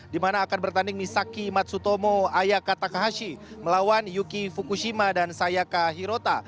di mana akan bertanding misaki matsutomo ayaka takahashi melawan yuki fukushima dan sayaka hirota